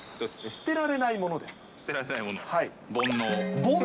捨てられないもの、煩悩。